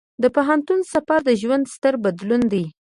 د پوهنتون سفر د ژوند ستر بدلون دی.